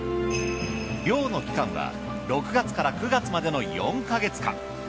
漁の期間は６月から９月までの４ケ月間。